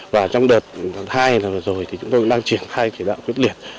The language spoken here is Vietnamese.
và trong đợt hai năm rồi thì chúng tôi đang triển khai hai kỷ đạo quyết liệt